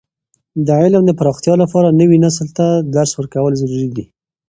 د علم د پراختیا لپاره، نوي نسل ته درس ورکول ضروري دي.